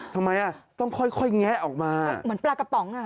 ทำไมอ่ะต้องค่อยค่อยแงะออกมาเหมือนปลากระป๋องอ่ะ